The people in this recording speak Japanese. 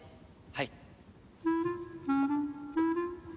はい。